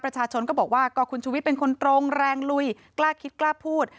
ประชาชนก็บอกว่าก็คุณชุวิตเป็นคนตรงแรงลุยกล้าคิดกล้าพูด